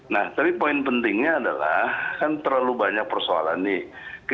nah tapi poin pentingnya adalah kan terlalu banyak persoalan nih